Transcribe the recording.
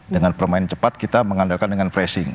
dengan permainan cepat kita mengandalkan dengan pressing